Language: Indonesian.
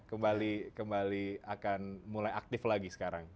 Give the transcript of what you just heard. jadi kembali akan mulai aktif lagi sekarang